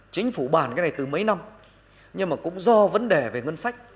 chính phủ bàn cái này từ mấy năm nhưng mà cũng do vấn đề về ngân sách